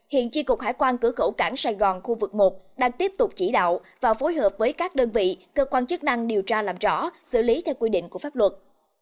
hiện chi cục hải quan cửa khẩu cảng sài gòn khu vực một đang tiếp tục chỉ đạo và phối hợp với các đơn vị cơ quan chức năng điều tra làm rõ xử lý theo quy định của pháp luật